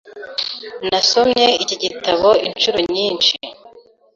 Nasomye iki gitabo inshuro nyinshi.